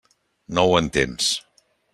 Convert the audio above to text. No ho entens.